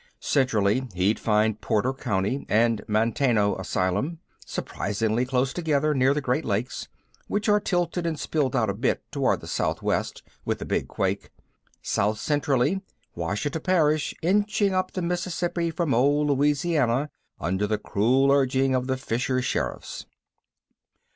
Centrally he'd find Porter County and Manteno Asylum surprisingly close together near the Great Lakes, which are tilted and spilled out a bit toward the southwest with the big quake. South centrally: Ouachita Parish inching up the Mississippi from old Louisiana under the cruel urging of the Fisher Sheriffs.